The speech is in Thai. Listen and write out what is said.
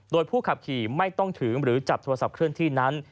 โดยผู้ขับขี่ไม่ต้องถือหรือจับโทรศัพท์เคลื่อนที่นั้น